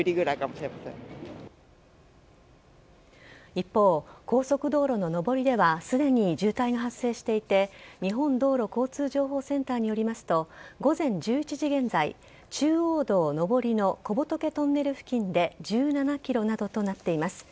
一方、高速道路の上りではすでに渋滞が発生していて日本道路交通情報センターによりますと午前１１時現在中央道上りの小仏トンネル付近で１７ｋｍなどとなっています。